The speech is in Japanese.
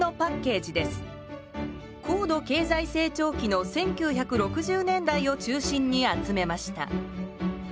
１高度経済成長期の１９６０年代を中心に集めました。